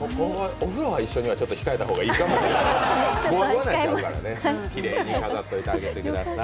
お風呂は一緒には控えた方がいいかもしれない。